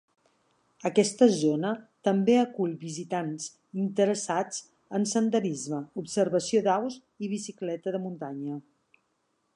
Aquesta zona també acull visitants interessats en senderisme, observació d'aus i bicicleta de muntanya.